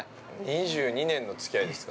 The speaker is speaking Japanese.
◆２２年のつき合いですか。